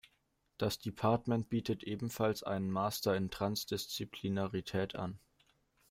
Das Departement bietet ebenfalls einen Master in Transdisziplinarität an.